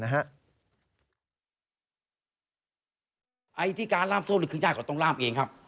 อิทธิการล่ามโซ่คือย่าเขาต้องล่ามเองครับ